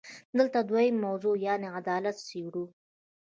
دلته دویمه موضوع یعنې عدالت څېړو.